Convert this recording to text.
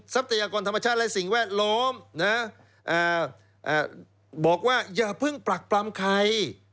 ทรัพยากรธรรมชาติและสิ่งแวดล้อมบอกว่าอย่าเพิ่งปรักปรำใคร